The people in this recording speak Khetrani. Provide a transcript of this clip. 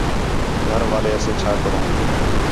گھر والے اسے چَھا کروں